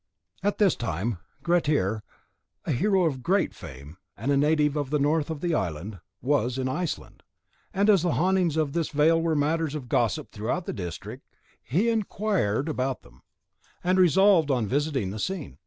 At this time Grettir a hero of great fame, and a native of the north of the island was in Iceland, and as the hauntings of this vale were matters of gossip throughout the district, he inquired about them, and resolved on visiting the scene.